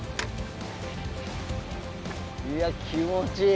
いや気持ちいい。